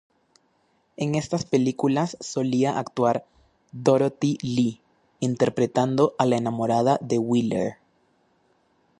En estas películas solía actuar Dorothy Lee interpretando a la enamorada de Wheeler.